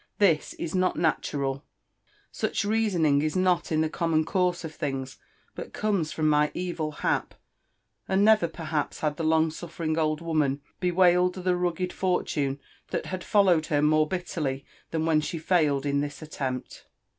This is not nataral. Such reawniag Is not in tbe common course of tilings, but comes from my evil hap." And never peibaps had the lot^ suOeriBg old woman beirailed the rugged fortune that had followed her more bitterly than when she failed in this attempt.